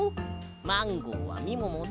マンゴーはみももで。